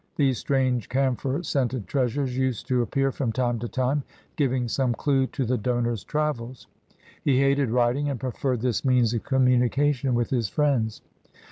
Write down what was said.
These strange camphor scented treasures used to appear from time to time, giving some clue to the donor's travels. He hated writing and preferred this means of communication with his friends.